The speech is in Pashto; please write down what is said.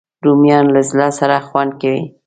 رومیان له زړه سره خوند کوي